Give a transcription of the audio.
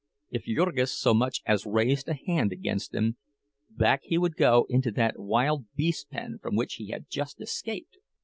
If Jurgis so much as raised a hand against them, back he would go into that wild beast pen from which he had just escaped!